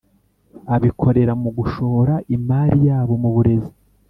abikorera mu gushora imari yabo mu burezi